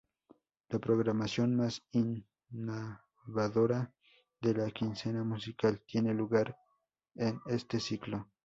La programación más innovadora de la Quincena Musical tiene lugar en este ciclo.